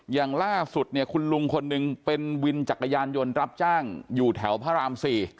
อย่างล่าสุดเนี่ยคุณลุงคนหนึ่งเป็นวินจักรยานยนต์รับจ้างอยู่แถวพระราม๔